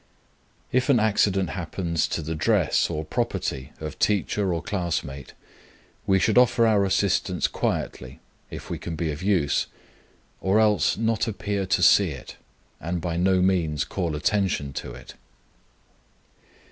If an accident happens to the dress or property of teacher or classmate, we should offer our assistance quietly, if we can be of use, or else not appear to see it, and by no means call attention to it.